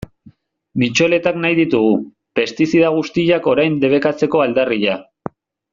Mitxoletak nahi ditugu, pestizida guztiak orain debekatzeko aldarria.